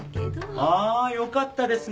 ああよかったですね。